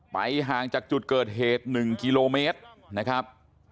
ห่างจากจุดเกิดเหตุ๑กิโลเมตรนะครับ